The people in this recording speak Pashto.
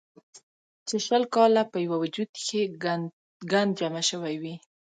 چې شل کاله پۀ يو وجود کښې ګند جمع شوے وي